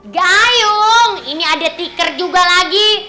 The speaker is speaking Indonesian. gayung ini ada tikar juga lagi